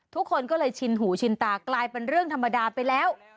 ทุกคนก็เลยชินหูชินตากลายเป็นเรื่องธรรมดาไปแล้ว